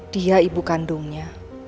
dia ibu kandungnya